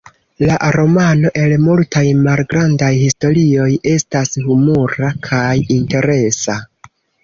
La romano el multaj malgrandaj historioj estas humura kaj interesa.